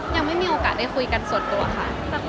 ยังไม่มีโอกาสได้คุยกันส่วนตัวค่ะ